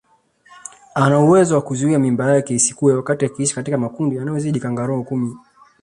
Ana uwezo wa kuzuia mimba yake isikue wakati akiishi katika makundi yanayozidi kangaroo kumi